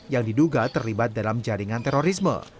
yang diduga terlibat dalam jaringan terorisme